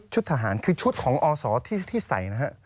ชุดทหารคือชุดของอสที่ใส่นะครับ